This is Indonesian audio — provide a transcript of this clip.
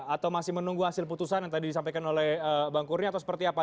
atau masih menunggu hasil putusan yang tadi disampaikan oleh bang kurnia atau seperti apa